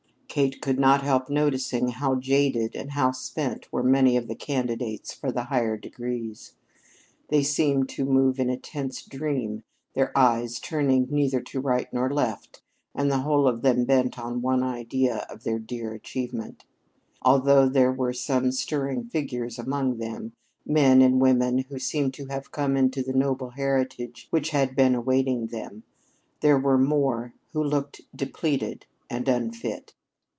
Kate could not help noticing how jaded and how spent were many of the candidates for the higher degrees. They seemed to move in a tense dream, their eyes turning neither to right nor left, and the whole of them bent on the one idea of their dear achievement. Although there were some stirring figures among them, men and women who seemed to have come into the noble heritage which had been awaiting them, there were more who looked depleted and unfit.